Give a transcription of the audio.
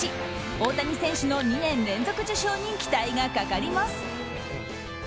大谷選手の２年連続受賞に期待がかかります。